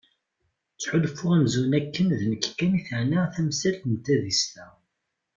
Ttḥulfuɣ amzun akken d nekk kan i teɛna temsalt n tadist-a.